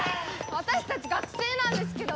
私たち学生なんですけど。